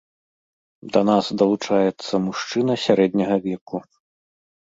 Да нас далучаецца мужчына сярэдняга веку.